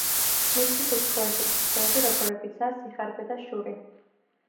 მისთვის უცხოა ისეთი თვისებები, როგორებიცაა სიხარბე და შური.